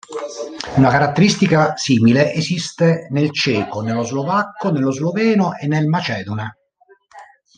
Una caratteristica simile esiste nel ceco, nello slovacco, nello sloveno e nel macedone.